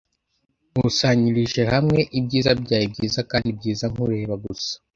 Nkusanyirije hamwe ibyiza byawe byiza kandi byiza nkureba gusa.